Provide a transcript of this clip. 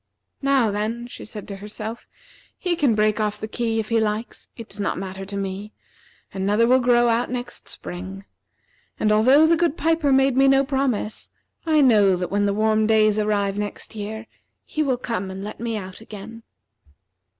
"Now, then," she said to herself, "he can break off the key if he likes. It does not matter to me. Another will grow out next spring. And although the good piper made me no promise, I know that when the warm days arrive next year, he will come and let me out again."